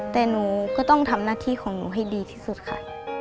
แต่หนูก็ต้องทำหน้าที่ของหนูให้ดีที่สุดค่ะ